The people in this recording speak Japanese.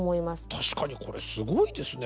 確かにこれすごいですね